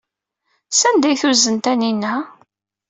Sanda ay t-tuzen Taninna?